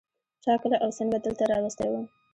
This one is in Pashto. چا کله او څنگه دلته راوستى وم.